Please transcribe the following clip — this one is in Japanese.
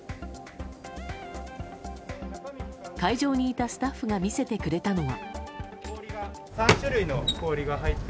会場にいたスタッフが見せてくれたのは。